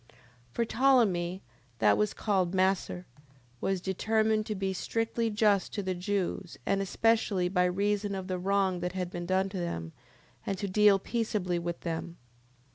10:12. For Ptolemee, that was called Macer, was determined to be strictly just to the Jews and especially by reason of the wrong that had been done them, and to deal peaceably with them.